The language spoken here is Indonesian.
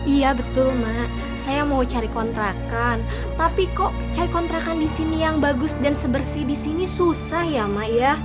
iya betul mak saya mau cari kontrakan tapi kok cari kontrakan di sini yang bagus dan sebersih di sini susah ya mak ya